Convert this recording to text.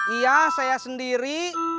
iya saya sendiri